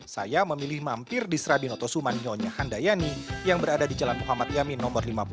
saya memilih mampir di serabi notosuman nyonya handayani yang berada di jalan muhammad yamin no lima puluh